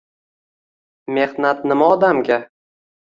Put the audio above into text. Mehnat nima odamga